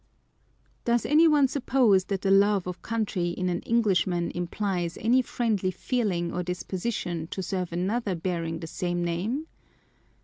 Does any one suppose that the love of country in an Englishman implies any friendly feeling or disposition to serve another bearing the same name